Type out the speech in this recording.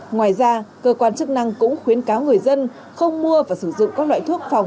ngoài ra cơ quan chức năng cũng khuyến cáo người dân không mua và sử dụng các loại thuốc phòng